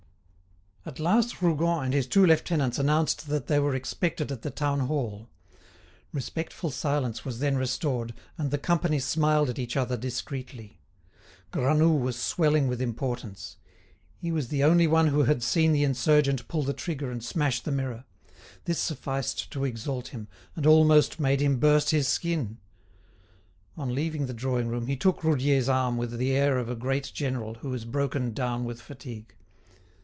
At last Rougon and his two lieutenants announced that they were expected at the town hall. Respectful silence was then restored, and the company smiled at each other discreetly. Granoux was swelling with importance. He was the only one who had seen the insurgent pull the trigger and smash the mirror; this sufficed to exalt him, and almost made him burst his skin. On leaving the drawing room, he took Roudier's arm with the air of a great general who is broken down with fatigue.